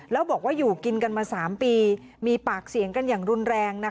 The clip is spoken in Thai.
แล้วบอกว่าอยู่กินกันมา๓ปีมีปากเสียงกันอย่างรุนแรง